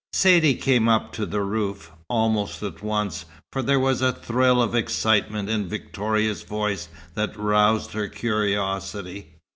Saidee came up to the roof, almost at once, for there was a thrill of excitement in Victoria's voice that roused her curiosity.